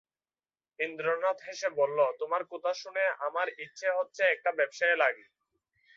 ইন্দ্রনাথ হেসে বললে, তোমার কথা শুনে আমার ইচ্ছে হচ্ছে একটা ব্যবসায়ে লাগি।